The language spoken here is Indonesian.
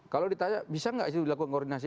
kalau ditanya bisa nggak itu dilakukan koordinasi